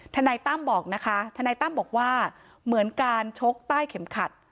ทนายตั้มบอกนะคะทนายตั้มบอกว่าเหมือนการชกใต้เข็มขัด